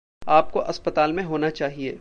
आपको अस्पताल में होना चाहिए।